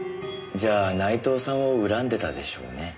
じゃあ内藤さんを恨んでたでしょうね。